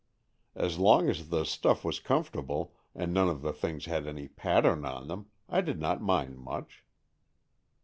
As long as the stuff was comfort able, and none of the things had any pattern on them, I did not mind much."